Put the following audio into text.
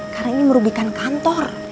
karena ini merugikan kantor